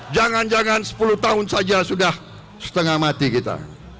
jangan jangan sepuluh tahun saja sudah setengah mati kita